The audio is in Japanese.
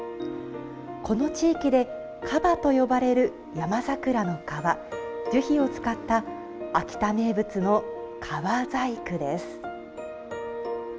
この地域で「樺」と呼ばれる山桜の皮樹皮を使った秋田名物の樺細工です。